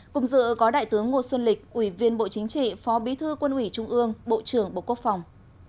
cùng dự có đại tướng ngô xuân lịch ủy viên bộ chính trị phó bí thư quân ủy trung ương bộ trưởng bộ quốc phòng